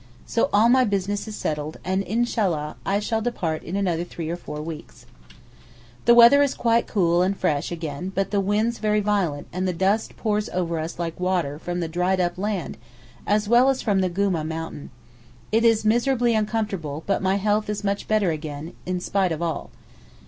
So all my business is settled, and, Inshallah! I shall depart in another three or four weeks. The weather is quite cool and fresh again but the winds very violent and the dust pours over us like water from the dried up land, as well as from the Goomeh mountain. It is miserably uncomfortable, but my health is much better again—spite of all.